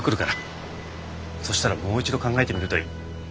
そしたらもう一度考えてみるといい。